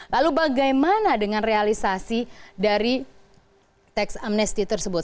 lalu bagaimana dengan realisasi dari tax amnesty tersebut